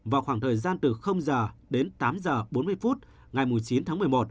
vào khoảng thời gian từ giờ đến tám giờ bốn mươi phút ngày chín tháng một mươi một